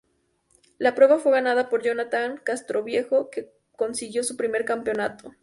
La prueba fue ganada por Jonathan Castroviejo, que consiguió su primer campeonato.